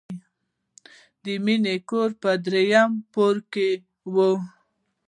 د مینې کور په دریم پوړ کې و